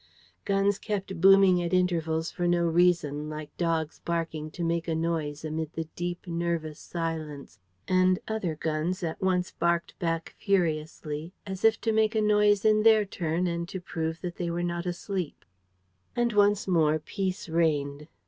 Guns kept booming at intervals for no reason, like dogs barking to make a noise amid the deep, nervous silence; and other guns at once barked back furiously, as if to make a noise in their turn and to prove that they were not asleep. And once more peace reigned.